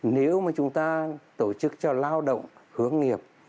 nếu mà chúng ta tổ chức cho lao động hướng nghiệp